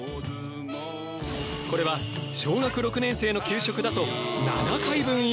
これは小学６年生の給食だと７回分以上！